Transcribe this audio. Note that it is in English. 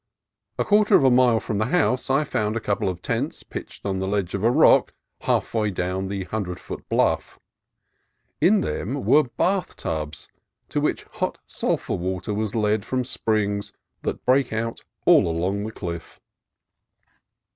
A quarter of a mile from the house I found a couple of tents pitched on a ledge of rock halfway down the hundred foot bluff. In them were bath tubs to which hot sulphur water was led from springs that break out all along the cliff.